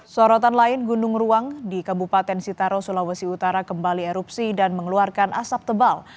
sorotan lain gunung ruang di kabupaten sitaro sulawesi utara kembali erupsi dan mengeluarkan asap tebal